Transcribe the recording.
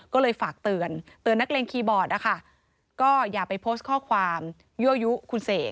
ก็เลยฝากเตือนเตือนนักเลงคีย์บอร์ดนะคะก็อย่าไปโพสต์ข้อความยั่วยุคุณเสก